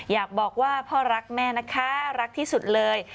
อยากบอกว่าพ่อรักแม่นะคะรักที่สุดเลย